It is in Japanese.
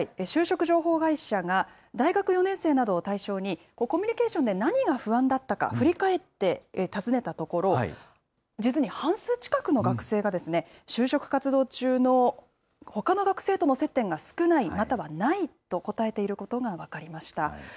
就職情報会社が、大学４年生などを対象に、コミュニケーションで何が不安だったか、振り返って尋ねたところ、実に半数近くの学生がですね、就職活動中のほかの学生との接点が少ない、またはないと答えていることが分かりました。